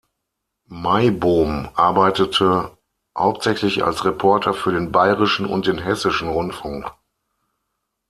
Maibohm arbeitete hauptsächlich als Reporter für den Bayerischen und den Hessischen Rundfunk.